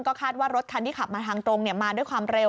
คาดว่ารถคันที่ขับมาทางตรงมาด้วยความเร็ว